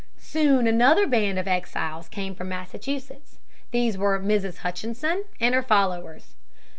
Soon another band of exiles came from Massachusetts. These were Mrs. Hutchinson and her followers.